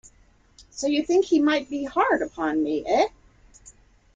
So you think he might be hard upon me, eh?